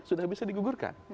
sudah bisa digugurkan